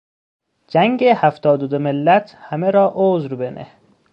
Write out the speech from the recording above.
جنگ هفتاد و دو ملت همه را عذر بنه